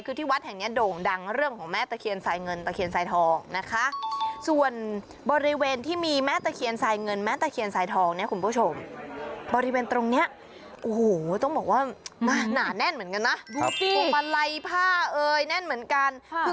คือที่วัดแห่งนี้โด่งดังเรื่องของแม่ตะเคียนทรายเงินแม่ตะเคียนทรายทองนะคะส่วนบริเวณที่มีแม่ตะเคียนทรายเงินแม่ตะเคียนทรายทองเนี่ยคุณผู้ชมบริเวณตรงเนี้ยโอ้โหต้องบอกว่าหนาแน่นเหมือนกันนะ